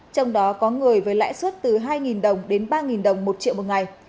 trong đó có người với lãi suất từ hai đồng đến ba đồng một triệu một ngày